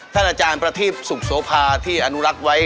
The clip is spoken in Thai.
อาจารย์ประทีปสุขโสภาที่อนุรักษ์ไว้